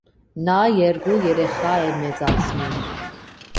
Նա երկու երեխա է մեծացնում։